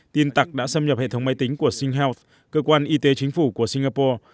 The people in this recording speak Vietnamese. tin tặc đã xâm nhập hệ thống máy tính của singhealth cơ quan y tế chính phủ của singapore